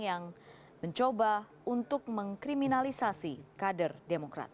yang mencoba untuk mengkriminalisasi kader demokrat